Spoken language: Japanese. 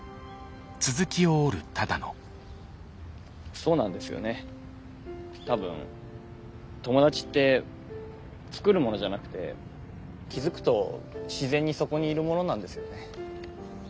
そうなんですよね多分友達って作るものじゃなくて気付くと自然にそこにいるものなんですよね。